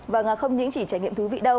vâng không những chỉ trải nghiệm thú vị đâu